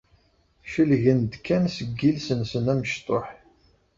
Celgen-d kan seg yiles-nsen amecṭuḥ.